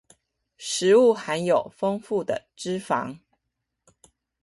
食物含有豐富的脂肪